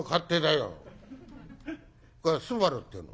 それから『昴』っていうの。